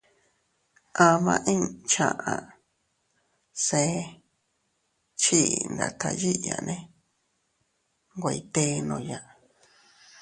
Ama inña chaʼa see chii ndatta yiʼiyane nwe ytennoya.